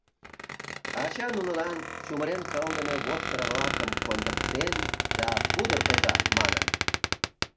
Ача нунылан чумырен кылдыме воштыр-влакым кондыктен да «Пудыртыза!» манын.